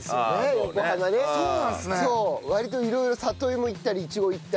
割と色々里芋いったりイチゴいったり。